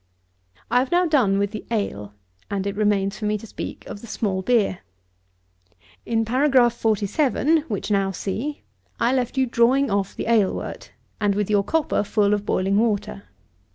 I have now done with the ale, and it remains for me to speak of the small beer. In Paragraph 47 (which now see) I left you drawing off the ale wort, and with your copper full of boiling water.